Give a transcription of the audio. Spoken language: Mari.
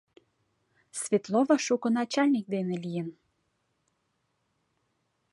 Светлова шуко начальник дене лийын.